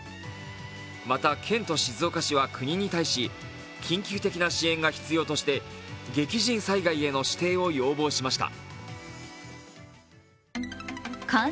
また、県と静岡市は国に対し緊急的な支援が必要として激甚災害への指定を要望しました。